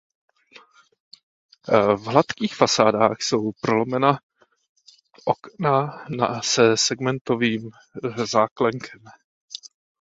V hladkých fasádách jsou prolomena okna se segmentovým záklenkem.